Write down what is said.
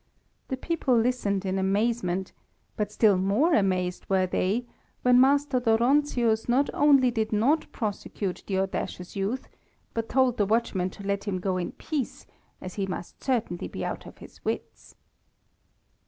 The people listened in amazement, but still more amazed were they when Master Dóronczius not only did not prosecute the audacious youth, but told the watchmen to let him go in peace, as he must certainly be out of his wits.